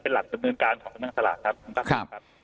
เป็นหลักจำนวนการของการสลากครับขอบคุณครับครับ